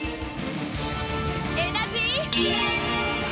エナジー！